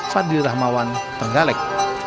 fadhil rahmawan terenggalek